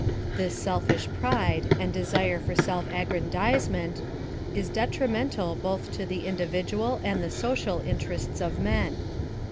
This selfish pride, and desire for self aggrandizement, is detrimental both to the individual and the social interests of men.